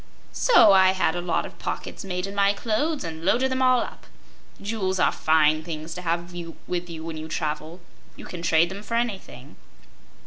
So I had a lot of pockets made in my clothes and loaded them all up. Jewels are fine things to have with you when you travel; you can trade them for anything."